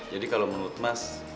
jadi kalau menurut mas